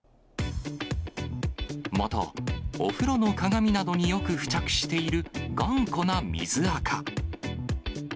また、お風呂の鏡などによく付着している頑固な水あか。